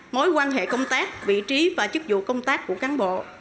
mối quan hệ công tác vị trí và chức vụ công tác của cán bộ